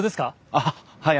ああはい。